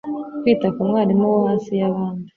kwita ku mwarimu wohasi yabandi